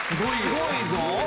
すごいぞ。